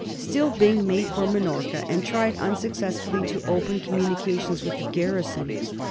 Still Byng made for Minorca, and tried unsuccessfully to open communi cations with the ganison.